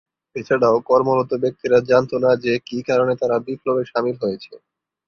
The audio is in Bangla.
এছাড়াও কর্মরত ব্যক্তিরা জানতো না যে কি কারণে তারা বিপ্লবে সামিল হয়েছে।